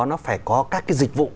nó phải có các cái dịch vụ